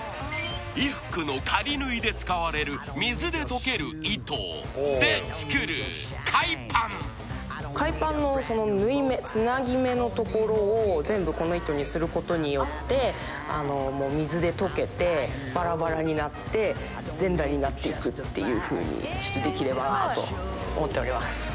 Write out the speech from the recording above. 衣服の仮縫いで使われる水で溶ける糸で作る海パン海パンのその縫い目つなぎ目のところを全部この糸にすることによってあのもう水で溶けてっていうふうにできればなと思っております